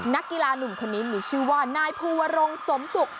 นักกีฬานุ่มคนนี้มีชื่อว่านายภูวรงสมศุกร์